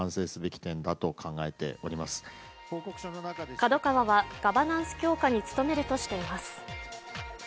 ＫＡＤＯＫＡＷＡはガバナンス強化に努めるとしています。